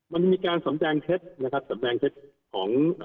มันมีการสำแดงเท็จนะครับสำแดงเท็จของ